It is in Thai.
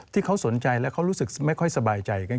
ที่เขาสนใจแล้วเขารู้สึกไม่ค่อยสบายใจ